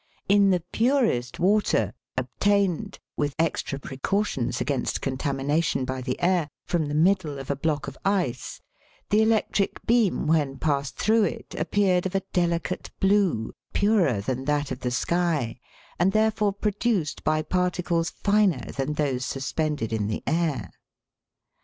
In the purest water, obtained, with extra precautions against contamination by the air, from the middle of a block of ice, the electric beam when passed through it appeared of a delicate blue, purer than that of the sky, and therefore produced by particles finer than those suspended in the air.